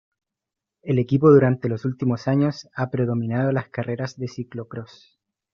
El equipo durante los últimos años ha predominado las carreras de Ciclocrós.